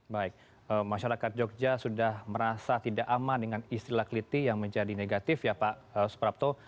baik masyarakat jogja sudah merasa tidak aman dengan istilah kliti yang menjadi negatif ya pak suprapto